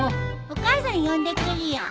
お母さん呼んでくるよ。